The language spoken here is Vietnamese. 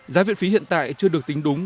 giá viện phí hiện tại chưa được tính đúng